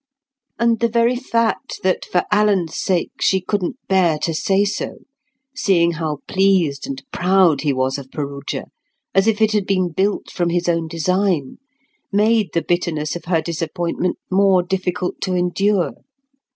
And the very fact that for Alan's sake she couldn't bear to say so—seeing how pleased and proud he was of Perugia, as if it had been built from his own design—made the bitterness of her disappointment more difficult to endure.